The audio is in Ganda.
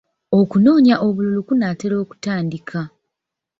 Okunoonya obululu kunaatera okutandika.